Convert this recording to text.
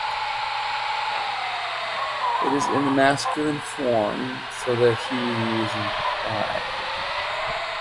It is in the masculine form, so that "he" is implied.